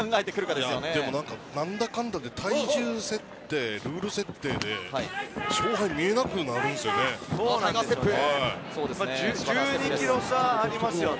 でも、何だかんだで体重設定、ルール設定で勝敗が見えなくなるんですよね。